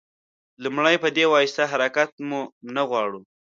لومړی په دې واسطه حرکت مو نه غواړو.